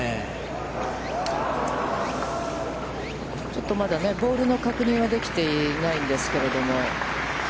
ちょっとまだ、ボールの確認はできていないんですけれども。